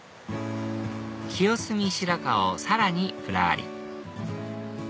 清澄白河をさらにぶらり